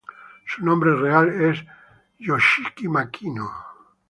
Su nombre real es Yoshiki Makino.